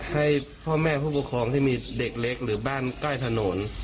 ให้พ่อแม่ผู้ปกครองที่มีเด็กเล็กหรือบ้านใกล้ถนน